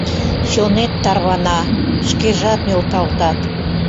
Чонет тарвана, шкежат нӧлталтат.